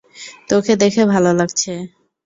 তোকে দেখে ভালো লাগছে!